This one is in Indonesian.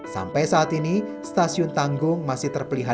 sampai saat ini stasiun tanggung masih terpelihara